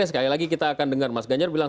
sekali lagi kita akan dengar mas ganjar bilang